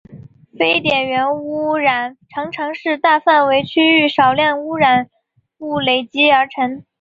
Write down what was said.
非点源污染常常是大范围区域少量污染物累积而成。